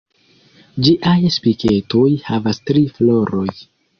Ĝiaj Spiketoj havas tri floroj.